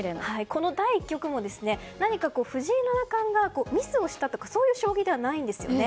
この第１局も、何か藤井七冠がミスをしたとかそういう将棋ではないんですよね。